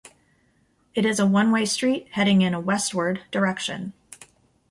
It is a one-way street heading in a westward direction.